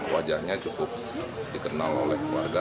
wajahnya cukup dikenal oleh keluarga